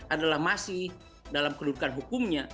adalah masih dalam kedudukan hukumnya